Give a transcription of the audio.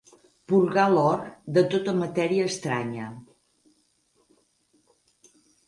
Purgar l'or de tota matèria estranya.